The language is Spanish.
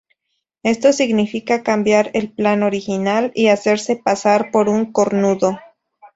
Esto significa cambiar el plan original y hacerse pasar por un cornudo.